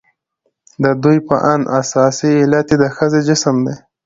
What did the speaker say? د ددوى په اند اساسي علت يې د ښځې جسم دى.